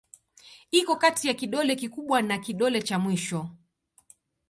Iko kati ya kidole kikubwa na kidole cha mwisho.